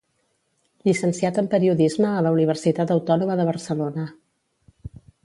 Llicenciat en Periodisme a la Universitat Autònoma de Barcelona.